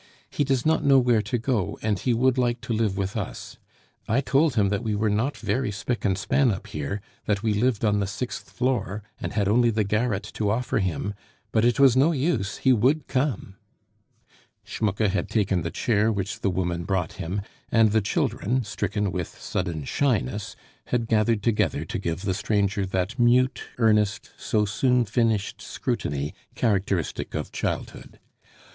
He does not know where to go, and he would like to live with us. I told him that we were not very spick and span up here, that we lived on the sixth floor, and had only the garret to offer him; but it was no use, he would come " Schmucke had taken the chair which the woman brought him, and the children, stricken with sudden shyness, had gathered together to give the stranger that mute, earnest, so soon finished scrutiny characteristic of childhood.